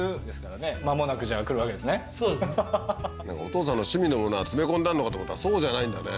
そうかお父さんの趣味のものが詰め込んであんのかと思ったらそうじゃないんだね